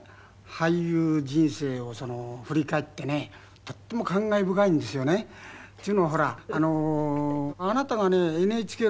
俳優人生を振り返ってねとっても感慨深いんですよね。というのはほらあなたがね